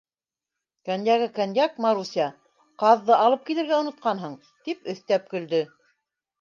— Коньягы коньяк, Маруся, ҡаҙҙы алып килергә онотҡанһың, — тип өҫтәп көлдө.